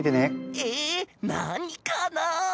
えなにかな！？